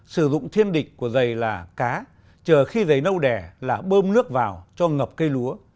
sử dụng thiên địch của dày là cá chờ khi dày nâu đẻ là bơm nước vào cho ngập cây lúa